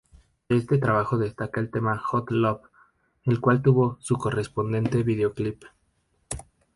De este trabajo destaca el tema "Hot Love", el cual tuvo su correspondiente videoclip.